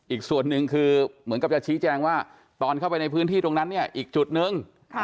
อีกส่วนหนึ่งคือเหมือนกับจะชี้แจงว่าตอนเข้าไปในพื้นที่ตรงนั้นเนี่ยอีกจุดนึง